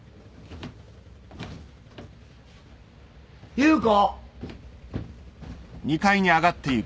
優子？